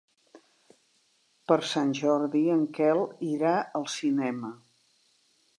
Per Sant Jordi en Quel irà al cinema.